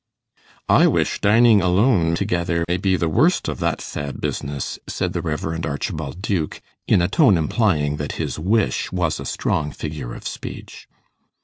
'I wish dining alone together may be the worst of that sad business,' said the Rev. Archibald Duke, in a tone implying that his wish was a strong figure of speech.